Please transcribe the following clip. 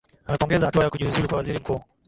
amepongeza hatua ya kujiuzulu kwa waziri mkuu shafe